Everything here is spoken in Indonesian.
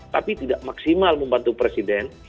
tapi tidak maksimal membantu presiden